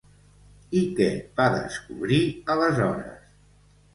I què va descobrir, aleshores?